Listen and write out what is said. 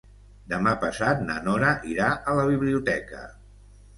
Demà passat na Nora irà a la biblioteca.